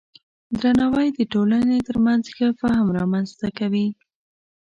درناوی د ټولنې ترمنځ ښه فهم رامنځته کوي.